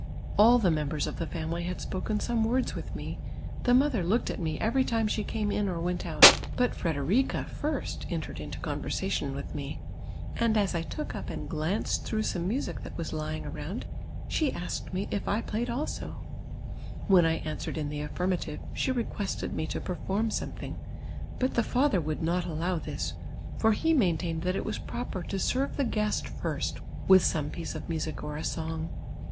All the members of the family had spoken some words with me, the mother looked at me every time fiic came in or went out, but Frederica first entered into conversation with me, and as I took up and glanced through some music that was lying around, she asked me if I played also r ^\'hen I answered in the aflinnativc, she requested me to perform something ; but the father would not allow this, for he main tained that it was ])roj)er to serve the guest first with some piece of music or a song.